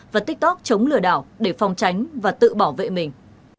và tiktok chống lừa đảo để phòng tránh và tự bảo vệ mình